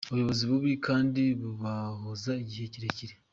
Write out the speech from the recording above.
Ubuyobozi bubi kandi bukabaho igihe kirekire.